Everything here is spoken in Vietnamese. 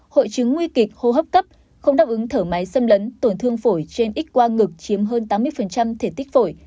hội chứng nguy kịch hô hấp cấp không đáp ứng thở máy xâm lấn tổn thương phổi trên x qua ngực chiếm hơn tám mươi thể tích phổi